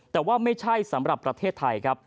แต่ว่าไม่ใช่สำหรับประเทศไทยครับ